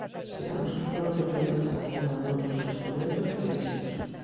Esperamos que pronto poidan estar tamén noutros instrumentos previstos.